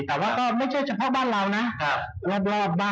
แต่ไม่เฉพาะบ้านเรานะครับ